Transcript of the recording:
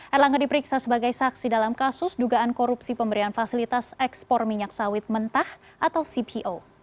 erlangga diperiksa sebagai saksi dalam kasus dugaan korupsi pemberian fasilitas ekspor minyak sawit mentah atau cpo